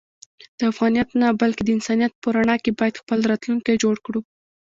د افغانیت نه بلکې د انسانیت په رڼا کې باید خپل راتلونکی جوړ کړو.